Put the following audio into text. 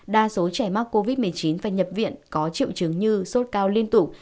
đa số trẻ mắc covid một mươi chín phải nhập viện có triệu chứng như sốt cao liên tục